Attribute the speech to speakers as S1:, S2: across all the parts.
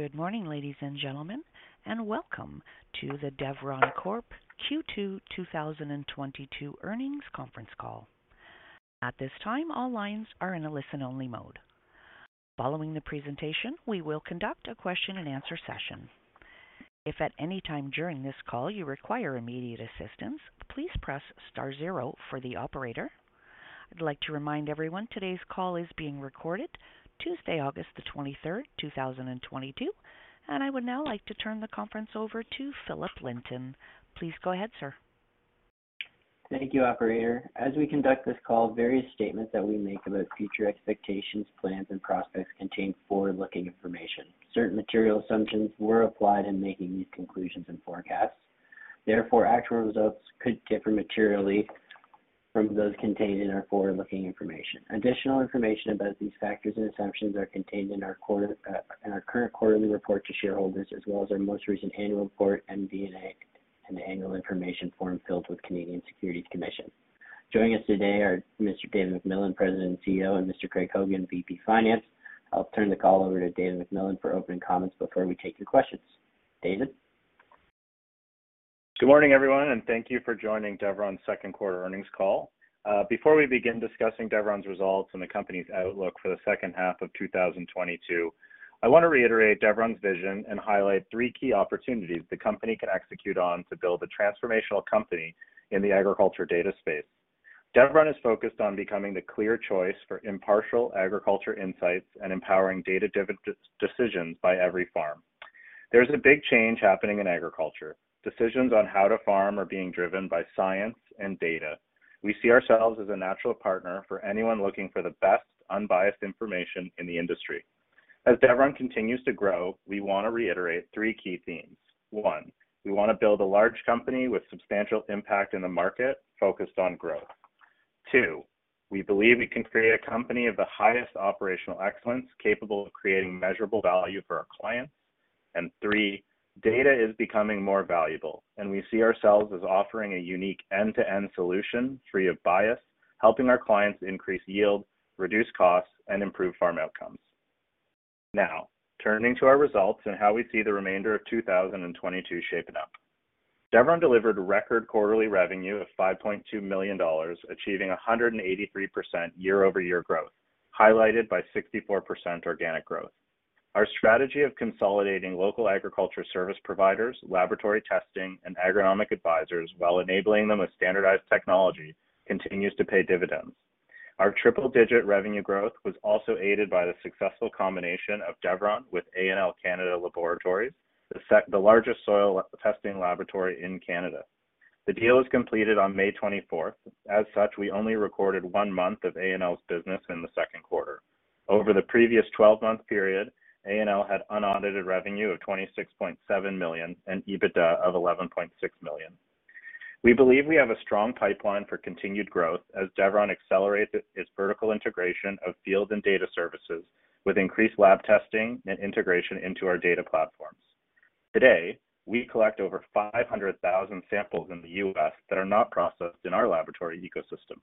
S1: Good morning, ladies and gentlemen, and welcome to the Deveron Corp Q2 2022 Earnings Conference Call. At this time, all lines are in a listen-only mode. Following the presentation, we will conduct a question and answer session. If at any time during this call you require immediate assistance, please press star zero for the operator. I'd like to remind everyone today's call is being recorded. Tuesday, August the 23rd, 2022. I would now like to turn the conference over to Philip Linton. Please go ahead, sir.
S2: Thank you, operator. As we conduct this call, various statements that we make about future expectations, plans, and prospects contain forward-looking information. Certain material assumptions were applied in making these conclusions and forecasts. Therefore, actual results could differ materially from those contained in our forward-looking information. Additional information about these factors and assumptions are contained in our current quarterly report to shareholders, as well as our most recent annual report and MD&A and annual information form filed with Canadian Securities Administrators. Joining us today are Mr. David MacMillan, President and CEO, and Mr. Craig Hogan, VP, Finance. I'll turn the call over to David MacMillan for opening comments before we take your questions. David.
S3: Good morning, everyone, and thank you for joining Deveron's Second Quarter Earnings Call. Before we begin discussing Deveron's results and the company's outlook for the second half of 2022, I want to reiterate Deveron's vision and highlight three key opportunities the company can execute on to build a transformational company in the agriculture data space. Deveron is focused on becoming the clear choice for impartial agriculture insights and empowering data decisions by every farm. There's a big change happening in agriculture. Decisions on how to farm are being driven by science and data. We see ourselves as a natural partner for anyone looking for the best unbiased information in the industry. As Deveron continues to grow, we wanna reiterate three key themes. One, we wanna build a large company with substantial impact in the market focused on growth. Two, we believe we can create a company of the highest operational excellence capable of creating measurable value for our clients. Three, data is becoming more valuable, and we see ourselves as offering a unique end-to-end solution free of bias, helping our clients increase yield, reduce costs, and improve farm outcomes. Now, turning to our results and how we see the remainder of 2022 shaping up. Deveron delivered record quarterly revenue of 5.2 million dollars, achieving 183% year-over-year growth, highlighted by 64% organic growth. Our strategy of consolidating local agriculture service providers, laboratory testing, and agronomic advisors while enabling them with standardized technology continues to pay dividends. Our triple-digit revenue growth was also aided by the successful combination of Deveron with A&L Canada Laboratories, the largest soil testing laboratory in Canada. The deal was completed on May 24th. As such, we only recorded one month of A&L's business in the second quarter. Over the previous 12-month period, A&L had unaudited revenue of 26.7 million and EBITDA of 11.6 million. We believe we have a strong pipeline for continued growth as Deveron accelerates its vertical integration of field and data services with increased lab testing and integration into our data platforms. Today, we collect over 500,000 samples in the U.S. that are not processed in our laboratory ecosystem.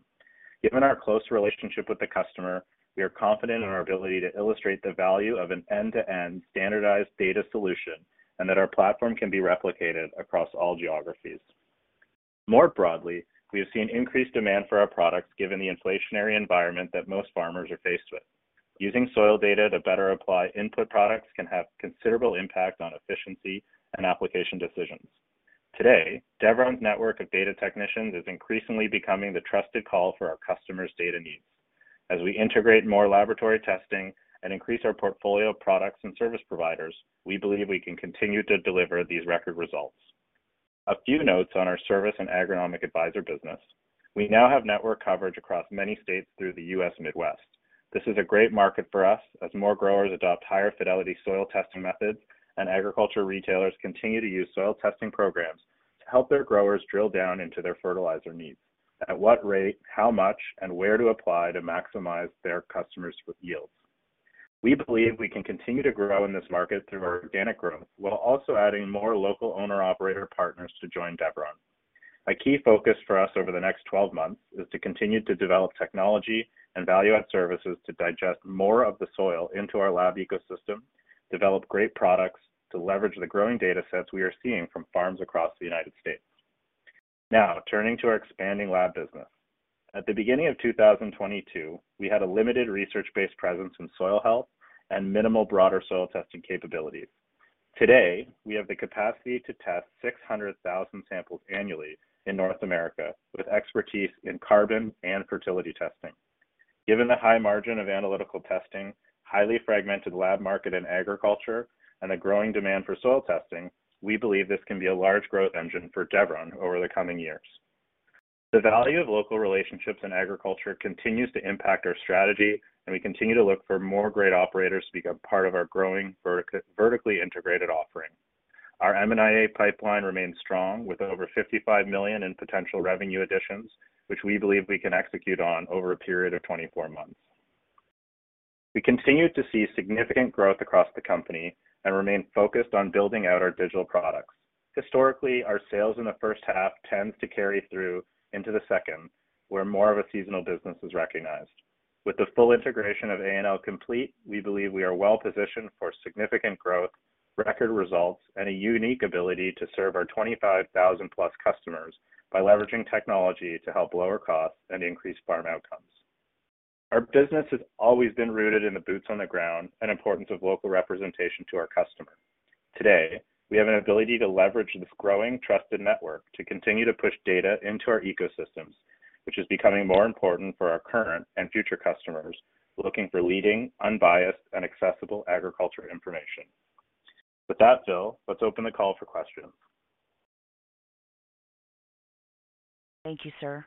S3: Given our close relationship with the customer, we are confident in our ability to illustrate the value of an end-to-end standardized data solution and that our platform can be replicated across all geographies. More broadly, we have seen increased demand for our products given the inflationary environment that most farmers are faced with. Using soil data to better apply input products can have considerable impact on efficiency and application decisions. Today, Deveron's network of data technicians is increasingly becoming the trusted call for our customers' data needs. As we integrate more laboratory testing and increase our portfolio of products and service providers, we believe we can continue to deliver these record results. A few notes on our service and agronomic advisor business. We now have network coverage across many states through the U.S. Midwest. This is a great market for us as more growers adopt higher fidelity soil testing methods and agriculture retailers continue to use soil testing programs to help their growers drill down into their fertilizer needs. At what rate, how much, and where to apply to maximize their customers' yields. We believe we can continue to grow in this market through organic growth while also adding more local owner-operator partners to join Deveron. A key focus for us over the next 12 months is to continue to develop technology and value-add services to digest more of the soil into our lab ecosystem, develop great products to leverage the growing datasets we are seeing from farms across the United States. Now, turning to our expanding lab business. At the beginning of 2022, we had a limited research-based presence in soil health and minimal broader soil testing capabilities. Today, we have the capacity to test 600,000 samples annually in North America with expertise in carbon and fertility testing. Given the high margin of analytical testing, highly fragmented lab market in agriculture, and the growing demand for soil testing, we believe this can be a large growth engine for Deveron over the coming years. The value of local relationships in agriculture continues to impact our strategy, and we continue to look for more great operators to become part of our growing vertically integrated offering. Our M&A pipeline remains strong with over 55 million in potential revenue additions, which we believe we can execute on over a period of 24 months. We continue to see significant growth across the company and remain focused on building out our digital products. Historically, our sales in the first half tends to carry through into the second, where more of a seasonal business is recognized. With the full integration of A&L complete, we believe we are well-positioned for significant growth, record results, and a unique ability to serve our 25,000+ customers by leveraging technology to help lower costs and increase farm outcomes. Our business has always been rooted in the boots on the ground and importance of local representation to our customer. Today, we have an ability to leverage this growing trusted network to continue to push data into our ecosystems, which is becoming more important for our current and future customers looking for leading, unbiased, and accessible agricultural information. With that, Phil, let's open the call for questions.
S1: Thank you, sir.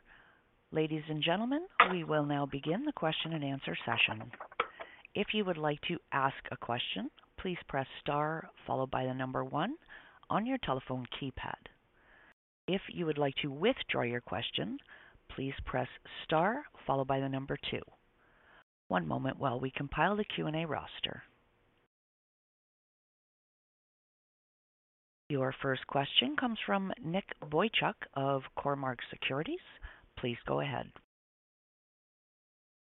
S1: Ladies and gentlemen, we will now begin the question and answer session. If you would like to ask a question, please press star followed by the number one on your telephone keypad. If you would like to withdraw your question, please press star followed by the number two. One moment while we compile the Q&A roster. Your first question comes from Nick Boychuk of Cormark Securities. Please go ahead.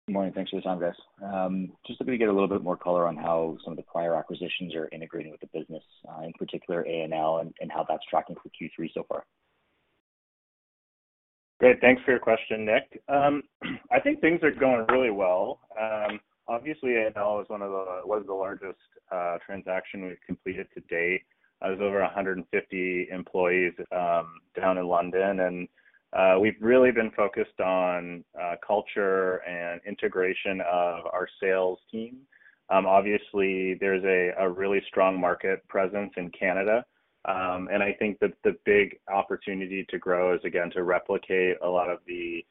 S4: Good morning. Thanks for your time, guys. Just looking to get a little bit more color on how some of the prior acquisitions are integrating with the business, in particular A&L and how that's tracking for Q3 so far.
S3: Great. Thanks for your question, Nick. I think things are going really well. Obviously A&L was the largest transaction we've completed to date. It was over 150 employees down in London, and we've really been focused on culture and integration of our sales team. Obviously there's a really strong market presence in Canada. I think that the big opportunity to grow is again to replicate a lot of the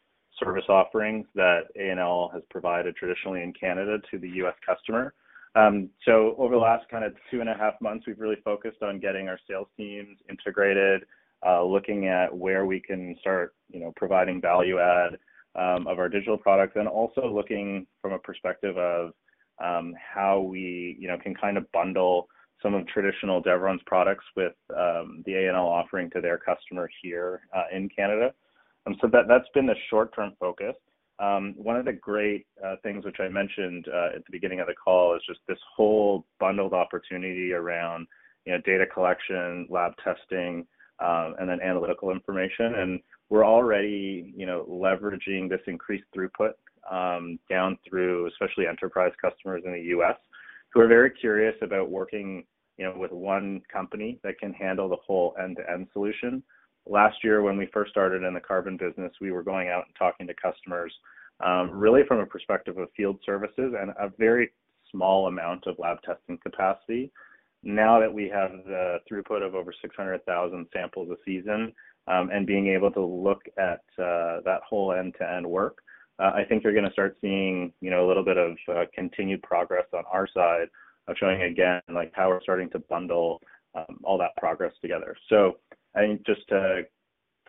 S3: service offerings that A&L has provided traditionally in Canada to the U.S. customer. Over the last kind of 2.5 months, we've really focused on getting our sales teams integrated, looking at where we can start, you know, providing value add of our digital products. Also looking from a perspective of how we, you know, can kind of bundle some of traditional Deveron's products with the A&L offering to their customer here in Canada. That's been the short-term focus. One of the great things which I mentioned at the beginning of the call is just this whole bundled opportunity around, you know, data collection, lab testing, and then analytical information. We're already, you know, leveraging this increased throughput down through especially enterprise customers in the U.S. who are very curious about working, you know, with one company that can handle the whole end-to-end solution. Last year, when we first started in the carbon business, we were going out and talking to customers really from a perspective of field services and a very small amount of lab testing capacity. Now that we have the throughput of over 600,000 samples a season, and being able to look at that whole end-to-end work, I think you're gonna start seeing, you know, a little bit of continued progress on our side of showing again, like how we're starting to bundle all that progress together. I think just to,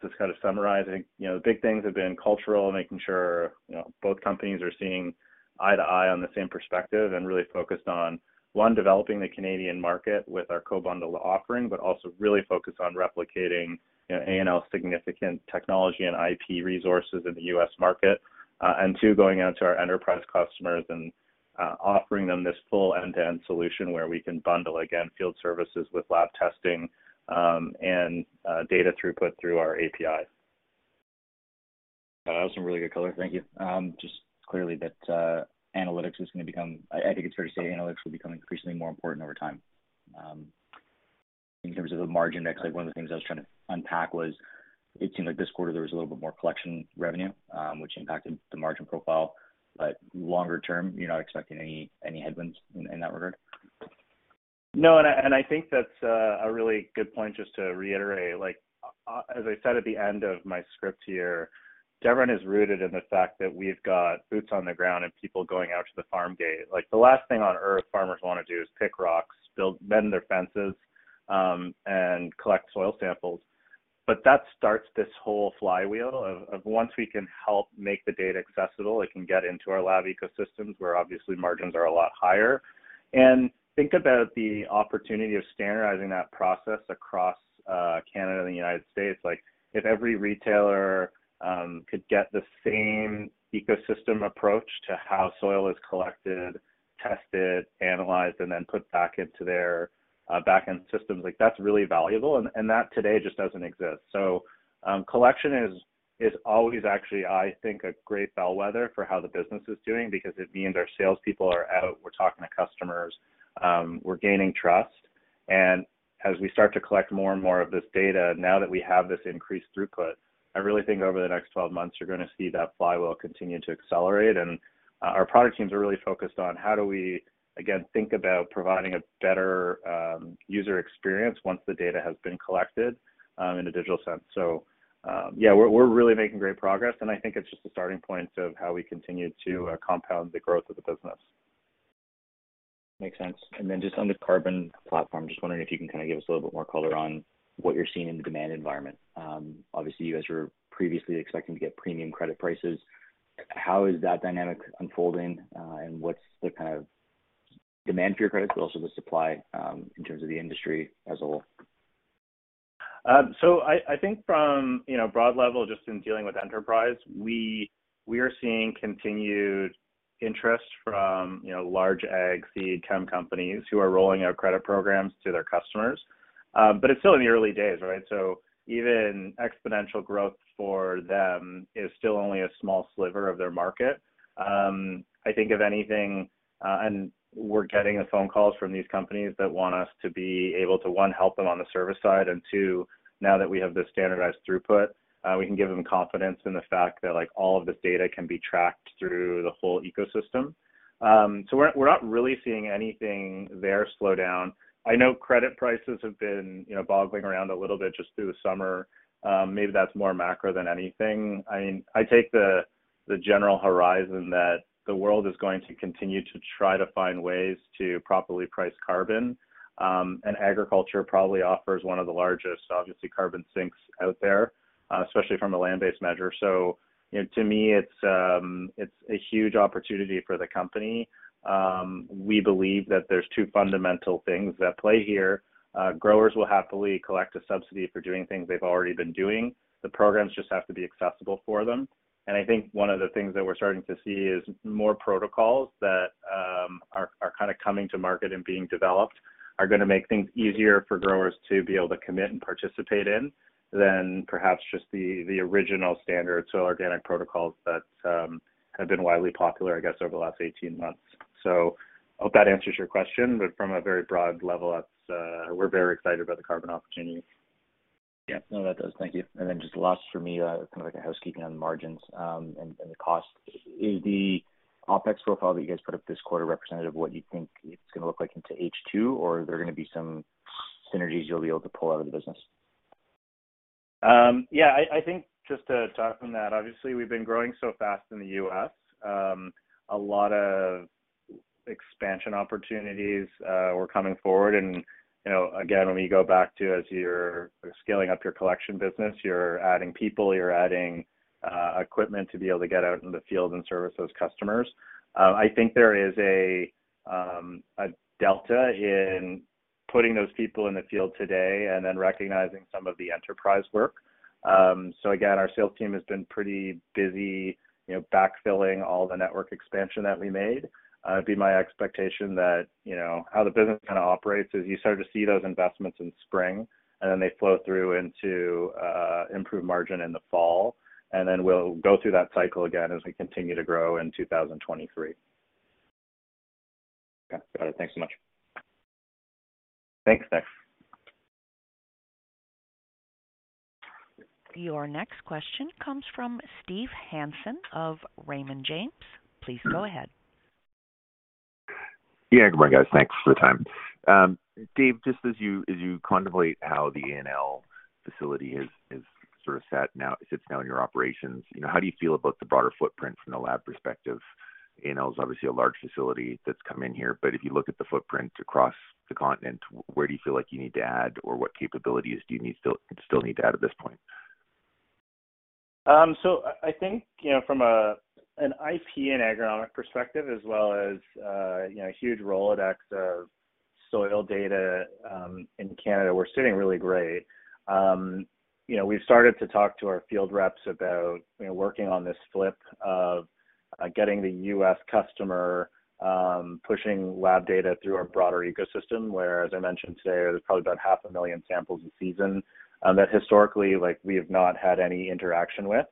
S3: just kind of summarizing, you know, the big things have been cultural making sure, you know, both companies are seeing eye to eye on the same perspective and really focused on one, developing the Canadian market with our co-bundle offering, but also really focused on replicating, you know, A&L's significant technology and IP resources in the U.S. market. Two, going out to our enterprise customers and offering them this full end-to-end solution where we can bundle, again, field services with lab testing, and data throughput through our API.
S4: That was some really good color. Thank you. Just clearly that analytics is gonna become. I think it's fair to say analytics will become increasingly more important over time. In terms of the margin, actually one of the things I was trying to unpack was it seemed like this quarter there was a little bit more collection revenue, which impacted the margin profile. Longer term, you're not expecting any headwinds in that regard?
S3: No, I think that's a really good point just to reiterate. Like, as I said at the end of my script here, Deveron is rooted in the fact that we've got boots on the ground and people going out to the farm gate. Like, the last thing on earth farmers wanna do is pick rocks, mend their fences, and collect soil samples. That starts this whole flywheel of once we can help make the data accessible, it can get into our lab ecosystems, where obviously margins are a lot higher. Think about the opportunity of standardizing that process across Canada and the United States. Like, if every retailer could get the same ecosystem approach to how soil is collected, tested, analyzed, and then put back into their backend systems, like that's really valuable, and that today just doesn't exist. Collection is always actually, I think, a great bellwether for how the business is doing because it means our salespeople are out. We're talking to customers. We're gaining trust. As we start to collect more and more of this data, now that we have this increased throughput, I really think over the next 12 months you're gonna see that flywheel continue to accelerate. Our product teams are really focused on how do we, again, think about providing a better user experience once the data has been collected in a digital sense. Yeah, we're really making great progress, and I think it's just the starting points of how we continue to compound the growth of the business.
S4: Makes sense. Just on the carbon platform, just wondering if you can kind of give us a little bit more color on what you're seeing in the demand environment. Obviously you guys were previously expecting to get premium credit prices. How is that dynamic unfolding? What's the kind of demand for your credits, but also the supply, in terms of the industry as a whole?
S3: I think from you know broad level just in dealing with enterprise we are seeing continued interest from, you know, large ag seed chem companies who are rolling out credit programs to their customers. It's still in the early days right? Even exponential growth for them is still only a small sliver of their market. I think if anything we're getting the phone calls from these companies that want us to be able to one help them on the service side and two now that we have the standardized throughput we can give them confidence in the fact that like all of this data can be tracked through the whole ecosystem. We're not really seeing anything there slow down. I know credit prices have been you know bobbing around a little bit just through the summer. Maybe that's more macro than anything. I mean, I take the general horizon that, the world is going to continue to try to find ways to properly price carbon. Agriculture probably offers one of the largest, obviously, carbon sinks out there, especially from a land-based measure. You know, to me, it's a huge opportunity for the company. We believe that there's two fundamental things at play here. Growers will happily collect a subsidy for doing things they've already been doing. The programs just have to be accessible for them. I think one of the things that we're starting to see is more protocols that are kind of coming to market and being developed are gonna make things easier for growers to be able to commit and participate in than perhaps just the original standard soil organic protocols that have been widely popular, I guess, over the last 18 months. Hope that answers your question, but from a very broad level, that's, we're very excited about the carbon opportunity.
S4: Yeah. No, that does. Thank you. Then just last for me, kind of like a housekeeping on margins, and the cost. Is the OpEx profile that you guys put up this quarter representative of what you think it's gonna look like into H2, or are there gonna be some synergies you'll be able to pull out of the business?
S3: Yeah. I think just to talk from that, obviously we've been growing so fast in the U.S. A lot of expansion opportunities were coming forward. You know, again, when we go back to as you're scaling up your collection business. You're adding people, you're adding equipment to be able to get out in the field and service those customers. I think there is a delta in putting those people in the field today and then recognizing some of the enterprise work. Again, our sales team has been pretty busy, you know, backfilling all the network expansion that we made. It'd be my expectation that, you know, how the business kind of operates is you start to see those investments in spring, and then they flow through into improved margin in the fall. We'll go through that cycle again as we continue to grow in 2023.
S4: Okay. Got it. Thanks so much.
S3: Thanks Nick.
S1: Your next question comes from Steve Hansen of Raymond James. Please go ahead.
S5: Yeah. Good morning, guys. Thanks for the time. Dave, just as you contemplate how the A&L facility is sort of sits now in your operations, you know, how do you feel about the broader footprint from the lab perspective? A&L is obviously a large facility that's come in here, but if you look at the footprint across the continent, where do you feel like you need to add, or what capabilities do you need still need to add at this point?
S3: I think, you know, from an IP and agronomic perspective as well as, you know, a huge Rolodex of soil data in Canada, we're sitting really great. You know, we've started to talk to our field reps about, you know, working on this flip of getting the U.S. customer pushing lab data through our broader ecosystem, where, as I mentioned today, there's probably about 500,000 samples a season that historically, like, we have not had any interaction with.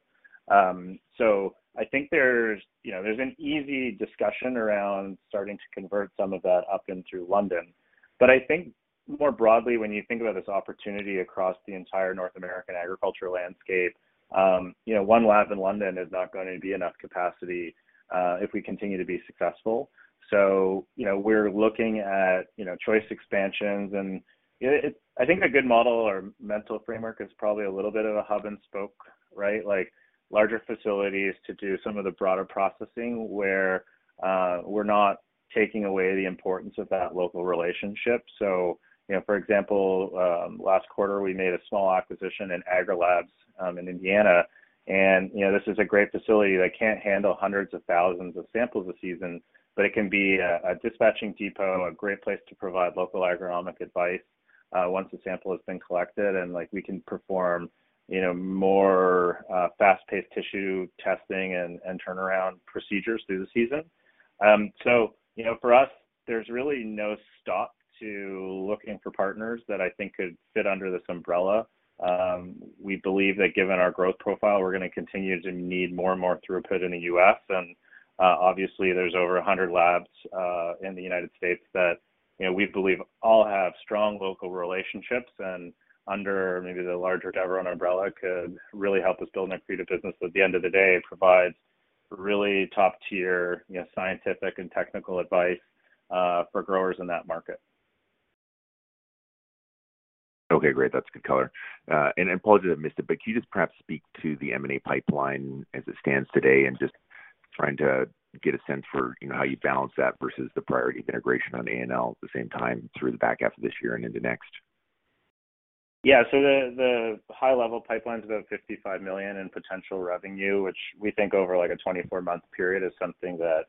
S3: I think there's, you know, an easy discussion around starting to convert some of that up in through London. I think more broadly, when you think about this opportunity across the entire North American agricultural landscape, you know, one lab in London is not going to be enough capacity, if we continue to be successful. You know, we're looking at, you know, choice expansions. I think a good model or mental framework is probably a little bit of a hub and spoke, right? Like, larger facilities to do some of the broader processing where, we're not taking away the importance of that local relationship. You know, for example, last quarter, we made a small acquisition in Agri-Labs, in Indiana. You know, this is a great facility that can't handle hundreds of thousands of samples a season, but it can be a dispatching depot, a great place to provide local agronomic advice once a sample has been collected, and like, we can perform you know, more fast-paced tissue testing and turnaround procedures through the season. You know, for us, there's really no stop to looking for partners that I think could fit under this umbrella. We believe that given our growth profile, we're gonna continue to need more and more throughput in the U.S. Obviously there's over 100 labs in the United States that, you know, we believe all have strong local relationships. And under maybe the larger Deveron umbrella could really help us build and create a business that at the end of the day provides really top-tier, you know, scientific and technical advice for growers in that market.
S5: Okay. Great. That's good color. I apologize if I missed it, but can you just perhaps speak to the M&A pipeline as it stands today and just trying to get a sense for, you know, how you balance that versus the priority of integration on A&L at the same time through the back half of this year and into next?
S3: Yeah. The high level pipeline's about 55 million in potential revenue, which we think over, like, a 24-month period is something that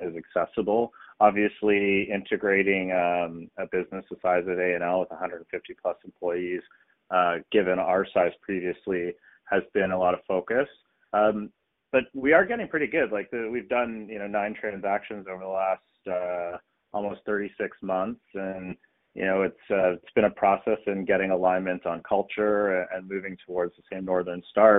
S3: is accessible. Obviously, integrating a business the size of A&L with 150+ employees, given our size previously, has been a lot of focus. We are getting pretty good. Like we've done, you know, nine transactions over the last almost 36 months and, you know, it's been a process in getting alignment on culture and moving towards the same Northern Star.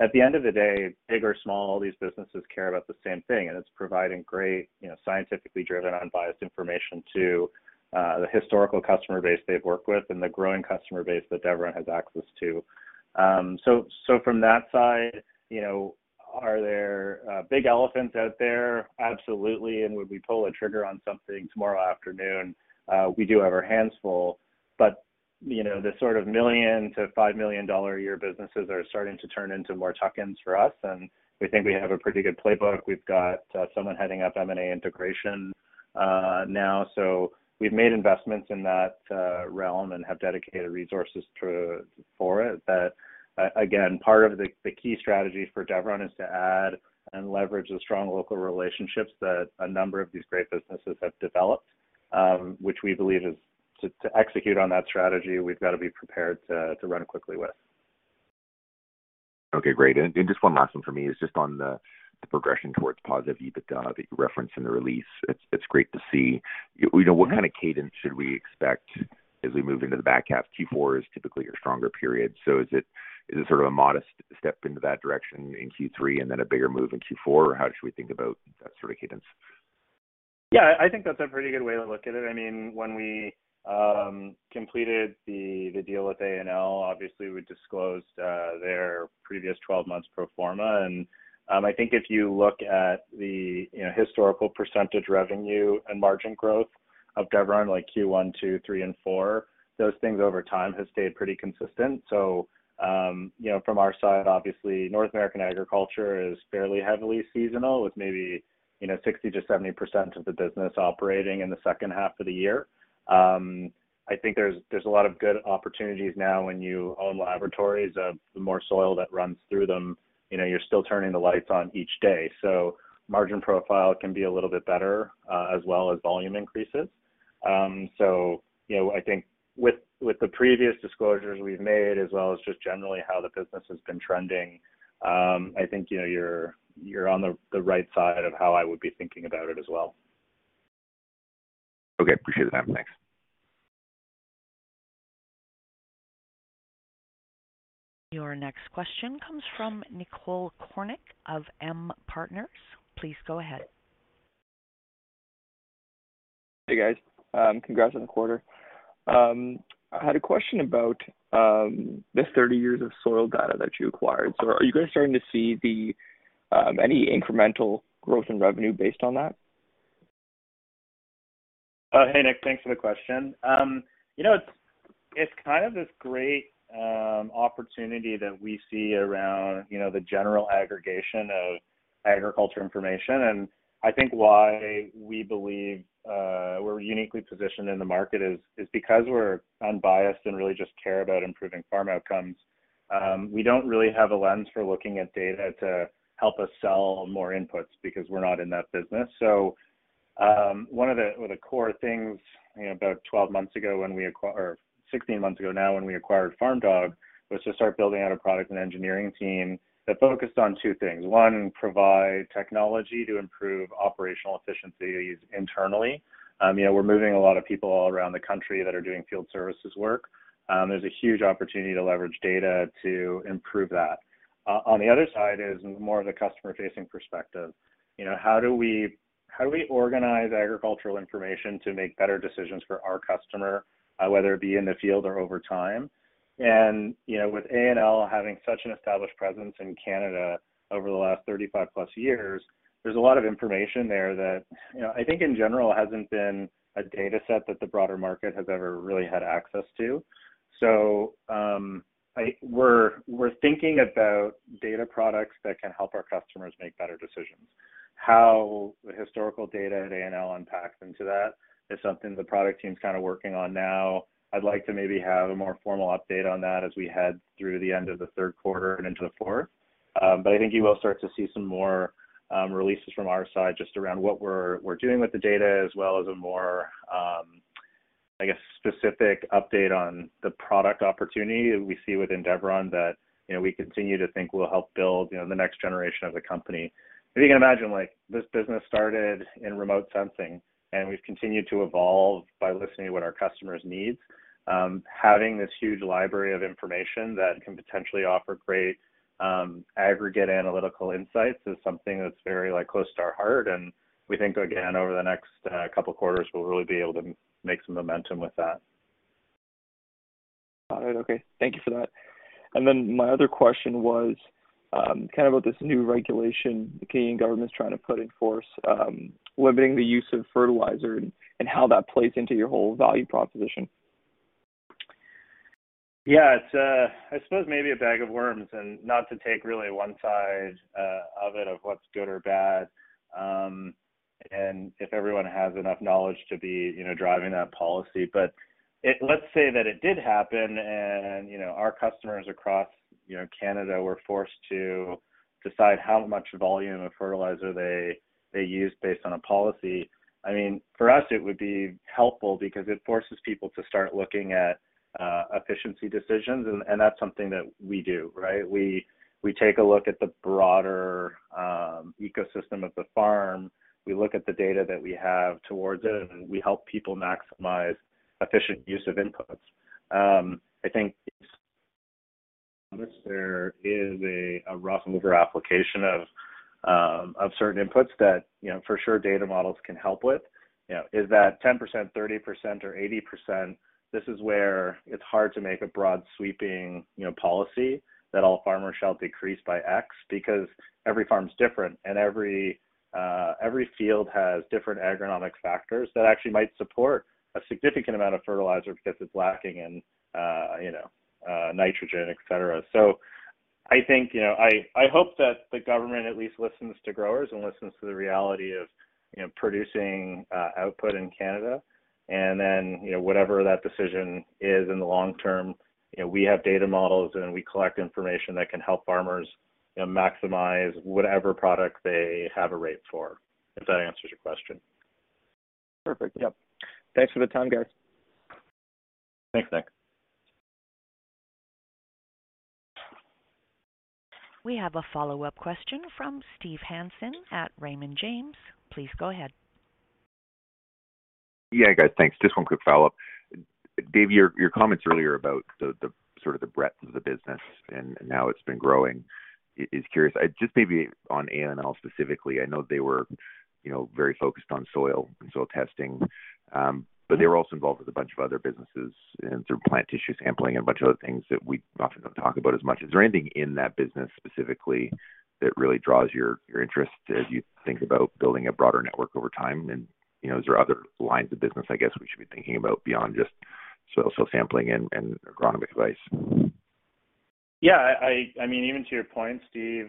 S3: At the end of the day, big or small, all these businesses care about the same thing, and it's providing great, you know, scientifically driven, unbiased information to the historical customer base they've worked with and the growing customer base that Deveron has access to. From that side, you know, are there big elephants out there? Absolutely. would we pull the trigger on something tomorrow afternoon? we do have our hands full, but, you know, the sort of 1 million-5 million dollar a year businesses are starting to turn into more tuck-ins for us, and we think we have a pretty good playbook. We've got someone heading up M&A integration now. we've made investments in that realm and have dedicated resources to it that again, part of the key strategies for Deveron is to add and leverage the strong local relationships that a number of these great businesses have developed, which we believe is to execute on that strategy we've got to be prepared to run quickly with.
S5: Okay, great. Just one last one for me is just on the progression towards positive EBITDA that you referenced in the release. It's great to see. You know, what kind of cadence should we expect as we move into the back half? Q4 is typically your stronger period. Is it sort of a modest step into that direction in Q3 and then a bigger move in Q4, or how should we think about that sort of cadence?
S3: Yeah, I think that's a pretty good way to look at it. I mean, when we completed the deal with A&L, obviously we disclosed their previous 12 months pro forma. I think if you look at the historical percentage revenue and margin growth of Deveron like Q1, Q2, Q3 and Q4, those things over time have stayed pretty consistent. You know, from our side, obviously North American agriculture is fairly heavily seasonal with maybe 60%-70% of the business operating in the second half of the year. I think there's a lot of good opportunities now when you own laboratories, the more soil that runs through them. You know, you're still turning the lights on each day. Margin profile can be a little bit better as well as volume increases. You know, I think with the previous disclosures we've made, as well as just generally how the business has been trending, I think, you know, you're on the right side of how I would be thinking about it as well.
S5: Okay. Appreciate the time. Thanks.
S1: Your next question comes from Nicole Cornick of M Partners. Please go ahead.
S6: Hey, guys. Congrats on the quarter. I had a question about the 30 years of soil data that you acquired. Are you guys starting to see any incremental growth in revenue based on that?
S3: Hey, Nick, thanks for the question. You know, it's kind of this great opportunity that we see around, you know, the general aggregation of agriculture information, and I think why we believe we're uniquely positioned in the market is because we're unbiased and really just care about improving farm outcomes. We don't really have a lens for looking at data to help us sell more inputs because we're not in that business. One of the core things, you know, 16 months ago now when we acquired Farm Dog, was to start building out a product and engineering team that focused on two things. One, provide technology to improve operational efficiencies internally. You know, we're moving a lot of people all around the country that are doing field services work. There's a huge opportunity to leverage data to improve that. On the other side is more of the customer-facing perspective. You know, how do we organize agricultural information to make better decisions for our customer, whether it be in the field or over time? You know, with A&L having such an established presence in Canada over the last 35+ years, there's a lot of information there that, you know, I think in general hasn't been a data set that the broader market has ever really had access to. We're thinking about data products that can help our customers make better decisions. How the historical data at A&L unpacks into that is something the product team's kind of working on now. I'd like to maybe have a more formal update on that as we head through the end of the third quarter and into the fourth. I think you will start to see some more releases from our side just around what we're doing with the data as well as a more, I guess, specific update on the product opportunity we see within Deveron that, you know, we continue to think will help build, you know, the next generation of the company. If you can imagine, like this business started in remote sensing, and we've continued to evolve by listening to what our customers' needs. Having this huge library of information that can potentially offer great aggregate analytical insights is something that's very like close to our heart, and we think again, over the next couple quarters, we'll really be able to make some momentum with that.
S6: All right. Okay. Thank you for that. Then my other question was, kind of about this new regulation the Canadian government's trying to put in force, limiting the use of fertilizer and how that plays into your whole value proposition.
S3: Yeah, it's I suppose maybe a bag of worms and not to take really one side of it of what's good or bad and if everyone has enough knowledge to be, you know, driving that policy. Let's say that it did happen, and, you know, our customers across, you know, Canada were forced to decide how much volume of fertilizer they use based on a policy. I mean, for us, it would be helpful because it forces people to start looking at efficiency decisions, and that's something that we do, right? We take a look at the broader ecosystem of the farm. We look at the data that we have toward it, and we help people maximize efficient use of inputs. I think there is a rough and rigorous application of certain inputs that, you know, for sure data models can help with. You know, is that 10%, 30% or 80%? This is where it's hard to make a broad sweeping, you know, policy that all farmers shall decrease by X because every farm is different and every field has different agronomic factors that actually might support a significant amount of fertilizer because it's lacking in, you know, nitrogen, et cetera. I think, you know, I hope that the government at least listens to growers and listens to the reality of, you know, producing output in Canada. You know, whatever that decision is in the long term, you know, we have data models, and we collect information that can help farmers, you know, maximize whatever product they have a rate for, if that answers your question.
S6: Perfect. Yep. Thanks for the time, guys.
S3: Thanks, Nick.
S1: We have a follow-up question from Steve Hansen at Raymond James. Please go ahead.
S5: Yeah, guys, thanks. Just one quick follow-up. Dave, your comments earlier about the sort of the breadth of the business and how it's been growing is curious. Just maybe on A&L specifically, I know they were, you know, very focused on soil and soil testing, but they were also involved with a bunch of other businesses and through plant tissue sampling and a bunch of other things that we often don't talk about as much. Is there anything in that business specifically that really draws your interest as you think about building a broader network over time? You know, is there other lines of business, I guess, we should be thinking about beyond just soil sampling and agronomic advice?
S3: Yeah. I mean, even to your point, Steve,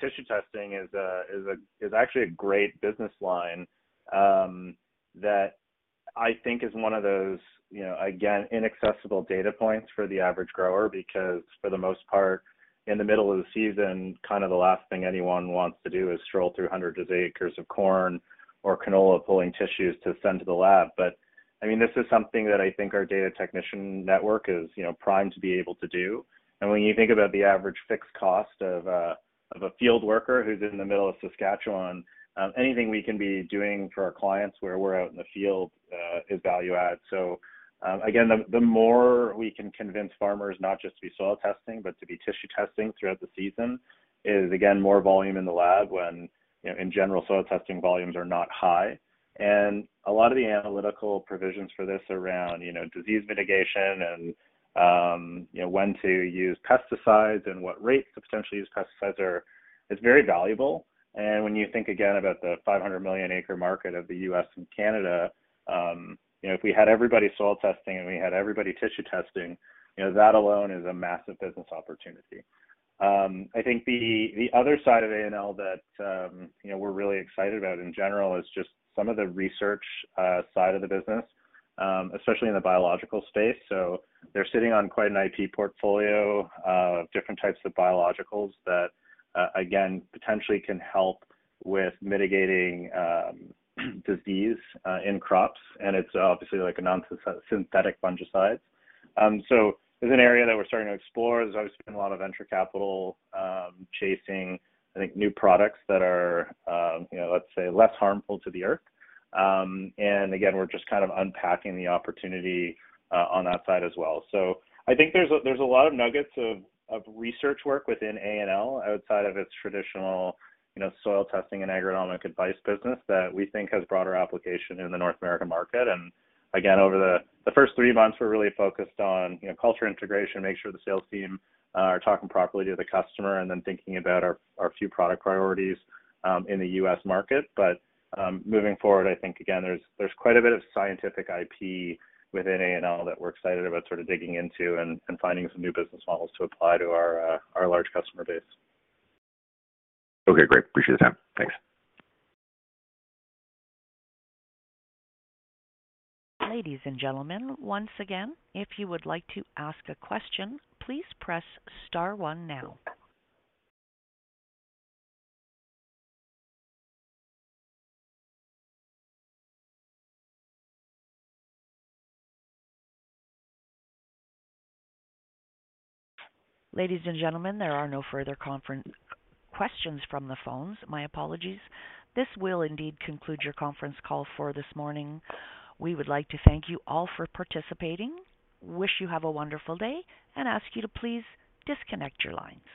S3: tissue testing is actually a great business line, that I think is one of those, you know, again, inaccessible data points for the average grower because for the most part, in the middle of the season, kind of the last thing anyone wants to do is stroll through hundreds of acres of corn or canola pulling tissues to send to the lab. I mean, this is something that I think our data technician network is, you know, primed to be able to do. When you think about the average fixed cost of a field worker who's in the middle of Saskatchewan, anything we can be doing for our clients where we're out in the field is value add. Again, the more we can convince farmers not just to be soil testing, but to be tissue testing throughout the season is again, more volume in the lab when, you know, in general, soil testing volumes are not high. A lot of the analytical provisions for this around, you know, disease mitigation and, you know, when to use pesticides and what rates to potentially use pesticides is very valuable. When you think again about the 500 million acre market of the U.S. and Canada, you know, if we had everybody soil testing and we had everybody tissue testing, you know, that alone is a massive business opportunity. I think the other side of A&L that, you know, we're really excited about in general is just some of the research side of the business, especially in the biological space. They're sitting on quite an IP portfolio of different types of biologicals that, again, potentially can help with mitigating disease in crops. It's obviously like a non-synthetic fungicides. It's an area that we're starting to explore. There's obviously been a lot of venture capital chasing, I think, new products that are, you know, let's say, less harmful to the earth. Again, we're just kind of unpacking the opportunity on that side as well. I think there's a lot of nuggets of research work within A&L outside of its traditional, you know, soil testing and agronomic advice business that we think has broader application in the North American market. Again, over the first three months, we're really focused on, you know, culture integration, make sure the sales team are talking properly to the customer and then thinking about our few product priorities, in the U.S. market. Moving forward, I think again, there's quite a bit of scientific IP within A&L that we're excited about sort of digging into and finding some new business models to apply to our large customer base.
S5: Okay, great. Appreciate the time. Thanks.
S1: Ladies and gentlemen, once again, if you would like to ask a question, please press star one now. Ladies and gentlemen, there are no further questions from the phones. My apologies. This will indeed conclude your conference call for this morning. We would like to thank you all for participating. We wish you a wonderful day. We ask you to please disconnect your lines.